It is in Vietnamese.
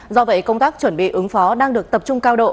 do vậy công tác chuẩn bị ứng phó đang được tập trung